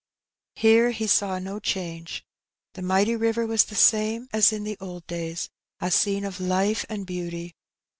Here he saw no change The mighty river was the same as in the old days, a scene of life and beauty.